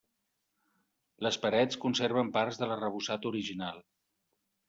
Les parets conserven parts de l'arrebossat original.